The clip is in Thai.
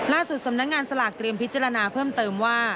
สำนักงานสลากเตรียมพิจารณาเพิ่มเติมว่า